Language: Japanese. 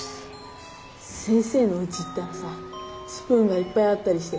先生のうち行ったらさスプーンがいっぱいあったりして。